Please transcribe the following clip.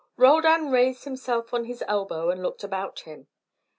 XXII Roldan raised himself on his elbow and looked about him.